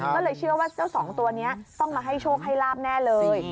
ก็เลยเชื่อว่าเจ้าสองตัวนี้ต้องมาให้โชคให้ลาบแน่เลย